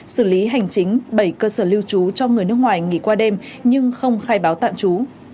xử lý hành chính bảy cơ sở lưu trú cho người nước ngoài nghỉ qua đêm nhưng không khai báo tạm trú